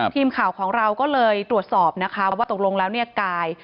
ทีมข่าวของเราก็เลยตรวจสอบว่าตกลงแล้วไกล์